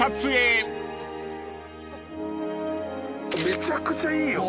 めちゃくちゃいいよ。